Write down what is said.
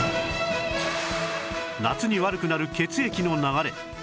夏に悪くなる血液の流れ